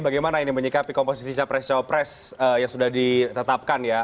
bagaimana ini menyikapi komposisi capres capres yang sudah ditetapkan ya